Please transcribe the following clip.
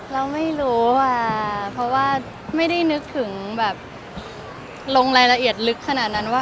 เราไม่รู้อ่ะเพราะว่าไม่ได้นึกถึงแบบลงรายละเอียดลึกขนาดนั้นว่า